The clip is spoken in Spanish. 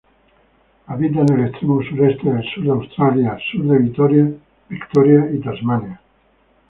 Habita en el extremo sureste del sur de Australia, sur de Victoria y Tasmania.